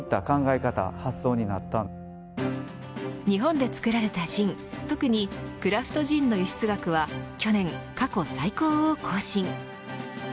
日本で作られたジン特にクラフトジンの輸出額は去年、過去最高を更新。